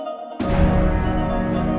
pasti dia anak rani